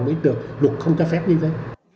mới được luật không cho phép như thế